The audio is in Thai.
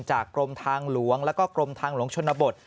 กรมทางหลวงแล้วก็กรมทางหลวงชนบท